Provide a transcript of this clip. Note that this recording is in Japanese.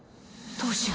どうしよう。